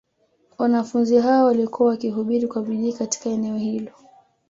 Wanafunzi hao walikuwa wakihubiri kwa bidii katika eneo hilo